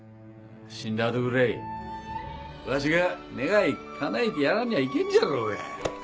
死んだ後ぐらいわしが願いかなえてやらんにゃいけんじゃろうが。